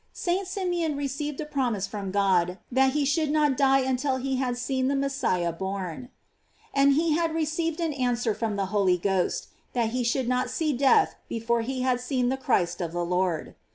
St. Simeon received a promise from God that he should not die until he had seen the Messiah born: "And he had received an answer from the Holy Ghost, that he should not see death before he had seen the Christ of the Lord."